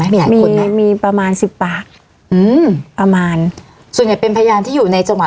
มีมีประมาณสิบปากอืมประมาณส่วนใหญ่เป็นพยานที่อยู่ในจังหวัด